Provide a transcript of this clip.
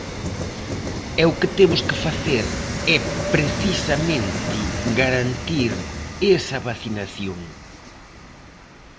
E o que temos que facer é precisamente garantir esa vacinación.